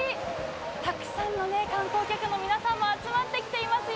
たくさんの観光客の皆さんも集まって来ていますよ。